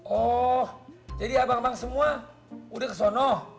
oh jadi abang abang semua udah kesono